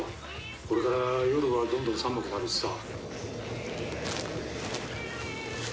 これから夜はどんどん寒くなるしさ。